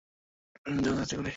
চলো, চলো, তাড়াতাড়ি করো।